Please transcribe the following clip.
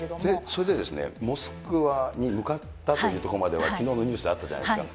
それでですね、モスクワに向かったというところまでは、きのうのニュースであったじゃないですか。